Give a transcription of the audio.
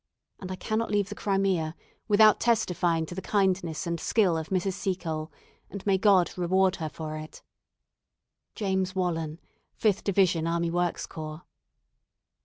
"And I cannot leave the Crimea without testifying to the kindness and skill of Mrs. Seacole, and may God reward her for it. "James Wallen, "5th Division Army Works Corps."